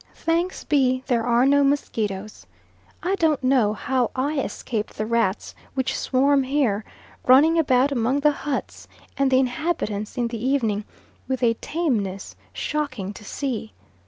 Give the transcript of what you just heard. Thanks be there are no mosquitoes. I don't know how I escaped the rats which swarm here, running about among the huts and the inhabitants in the evening, with a tameness shocking to see.